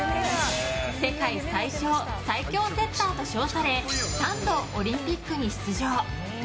世界最小最強セッターと称され３度オリンピックに出場。